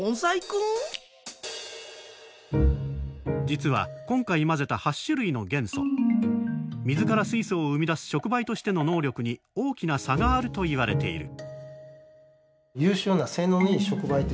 実は今回混ぜた８種類の元素水から水素を生み出す触媒としての能力に大きな差があるといわれている。